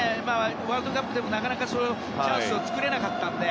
ワールドカップでもなかなかチャンスを作れなかったので。